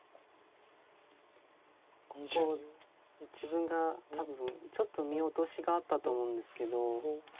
ここ自分が多分ちょっと見落としがあったと思うんですけど。